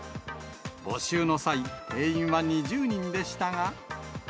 募集の際、定員は２０人でしたが。